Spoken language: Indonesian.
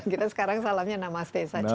kita sekarang salamnya namaste saja